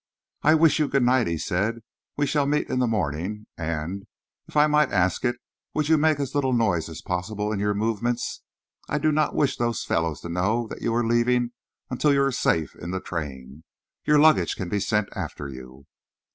"I wish you good night," he said. "We shall meet in the morning, and, if I might ask it, would you make as little noise as possible in your movements? I do not wish those fellows to know that you are leaving until you are safe in the train. Your luggage can be sent after you."